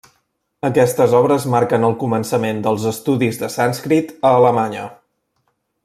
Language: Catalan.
Aquestes obres marquen el començament dels estudis de sànscrit a Alemanya.